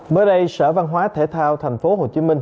mới đây sở văn hóa thể thao tp hcm